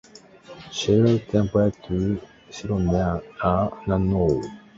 Several temples to Sirona are known.